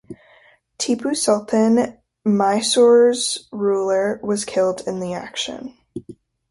Tipu Sultan, Mysore's ruler, was killed in the action.